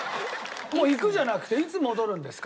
もう「行く」じゃなくて「いつ戻るんですか？」